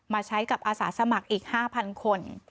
ใช้กับอาสาสมัครอีก๕๐๐คน